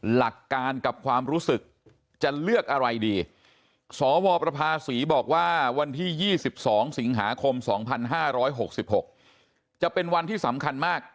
โหวดเมื่อซึ่งหาคมสองพันห้าร้อยหกสิบหกจะเป็นวันที่สำคัญมาก